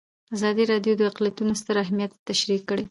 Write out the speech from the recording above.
ازادي راډیو د اقلیتونه ستر اهميت تشریح کړی.